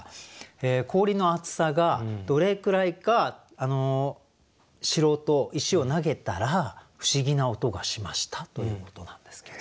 「氷の厚さがどれくらいか知ろうと石を投げたら不思議な音がしました」ということなんですけど。